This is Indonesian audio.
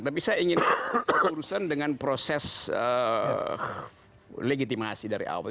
tapi saya ingin urusan dengan proses legitimasi dari awal